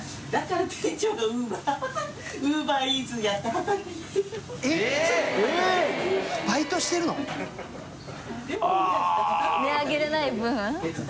錙舛叩値上げれない分？